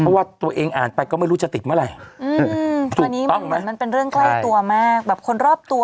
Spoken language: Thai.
เพราะว่าตัวเองอ่านไปก็ไม่รู้จะติดเมื่อไหร่อันนี้มันเหมือนมันเป็นเรื่องใกล้ตัวมากแบบคนรอบตัว